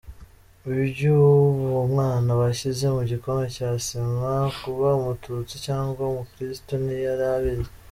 Iby’uwo mwana bashyize mu gikoma cya sima, kuba Umututsi cyangwa umukristu ntiyari abizi.